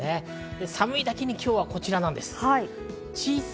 寒いだけに、今日はこちらです。